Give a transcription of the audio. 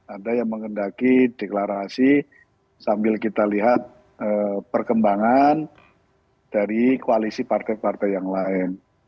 ada yang mengendaki deklarasi sambil kita lihat perkembangan dari koalisi partai partai yang lain